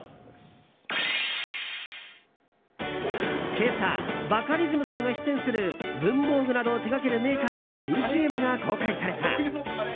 今朝バカリズムさんが出演する文房具などを手掛けるメーカーの新ＣＭが公開された。